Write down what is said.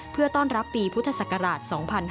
เพื่อต้อนรับปีพุทธศักราช๒๕๕๙